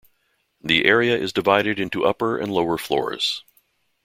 The area is divided into upper and lower floors.